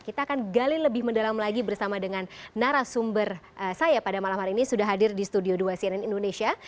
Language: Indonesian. kita akan gali lebih mendalam lagi bersama dengan narasumber saya pada malam hari ini sudah hadir di studio dua cnn indonesia